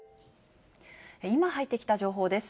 今入ってきた情報です。